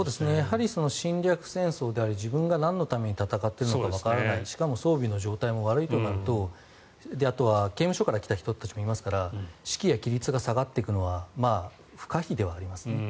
侵略戦争で自分がなんのために戦っているのかわからないしかも装備の状態も悪いとなるとあとは刑務所から来た人たちもいますから士気や規律が下がっていくのは不可避ではありますね。